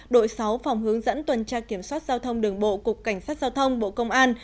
đội sáu phòng hướng dẫn tuần tra kiểm soát giao thông đường bộ cục cảnh sát giao thông bộ công an